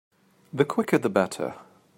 The quicker the better.